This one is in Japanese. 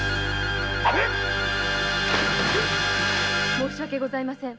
申し訳ございません。